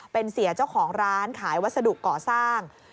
เป็นเสียเจ้าของร้านขายวัสดุก่อสร้าง